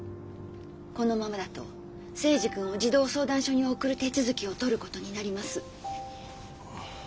このままだと征二君を児童相談所に送る手続きをとることになります。